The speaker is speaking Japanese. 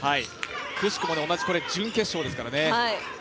くしくも同じ準決勝ですから。